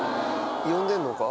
呼んでんのか？